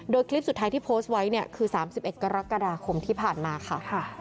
โดยคลิปสุดท้ายที่โพสต์ไว้เนี้ยคือสามสิบเอ็กซ์กรกฎาคมที่ผ่านมาค่ะ